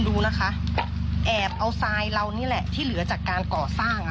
เดี๋ยวเอาไปเนี่ยคือบ้านนั้นเขาก่อสร้างอยู่